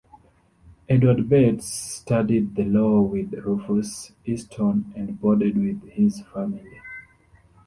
Edward Bates studied the law with Rufus Easton and boarded with his family.